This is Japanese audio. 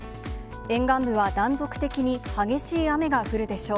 沿岸部は断続的に激しい雨が降るでしょう。